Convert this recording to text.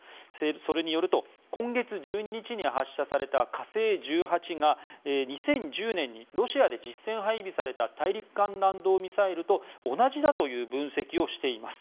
それによると今月１２日に発射された「火星１８」が２０１０年にロシアで実戦配備された大陸間弾道ミサイルと同じだという分析をしています。